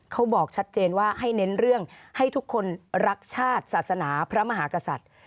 เขาบอกชัดเจนว่าให้เน้นเรื่องให้ทุกคนรักชาติศาสนาพระมหากษัตริย์